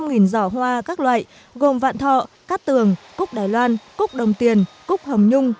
bốn trăm linh giỏ hoa các loại gồm vạn thọ cát tường cúc đài loan cúc đồng tiền cúc hầm nhung